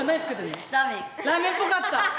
ラーメンっぽかった！